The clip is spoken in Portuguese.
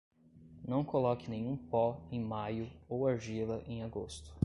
Não coloque nenhum pó em maio ou argila em agosto.